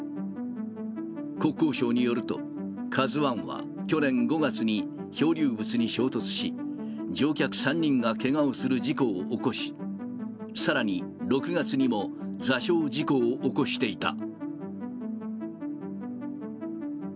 国交省によると、カズワンは去年５月に漂流物に衝突し、乗客３人がけがをする事故を起こし、さらに６月にも座礁事故を起こしていた。